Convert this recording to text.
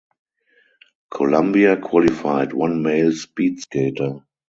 Colombia qualified one male speed skater.